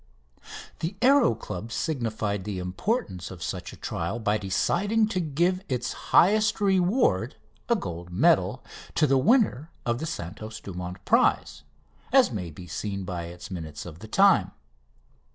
The Aéro Club signified the importance of such a trial by deciding to give its highest reward, a gold medal, to the winner of the Santos Dumont prize, as may be seen by its minutes of the time.